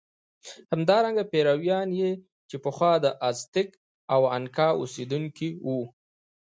همدارنګه پیرویان چې پخوا د ازتېک او انکا اوسېدونکي وو.